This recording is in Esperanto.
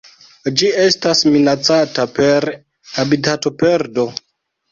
Ĝi estas minacata per habitatoperdo.